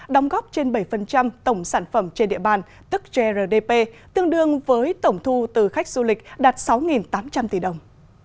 đóng góp trên bảy tổng sản phẩm trên địa bàn tức grdp tương đương với tổng thu từ khách du lịch đạt sáu tám trăm linh tỷ đồng